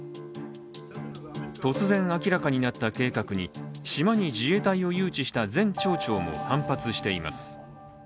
突然明らかになった計画に島に自衛隊を誘致した前町長も反発しています。